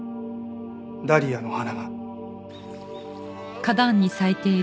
ダリアの花が。